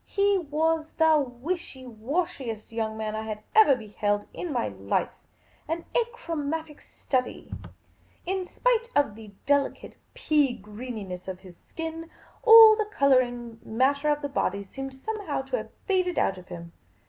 He was the wishy washiest young man I ever beheld in my life ; an achromatic study ; in spite of the .jk The Pea Green Patrician 209 delicate pea greenitiess of his skin, all the colouring matter of the body seemed somehow to have faded out of him.